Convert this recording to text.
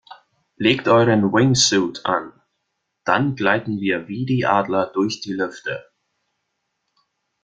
Legt euren Wingsuit an, dann gleiten wir wie die Adler durch die Lüfte!